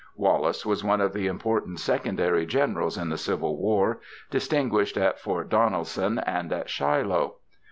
Wallace was one of the important secondary generals in the Civil War, distinguished at Fort Donelson and at Shiloh.